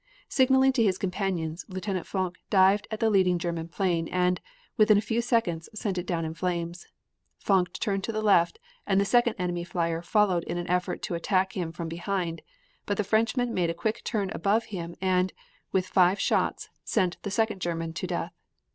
Signaling to his companions, Lieutenant Fonck dived at the leading German plane and, with a few shots sent it down in flames. Fonck turned to the left, and the second enemy flier followed in an effort to attack him from behind, but the Frenchman made a quick turn above him and, with five shots, sent the second German to death.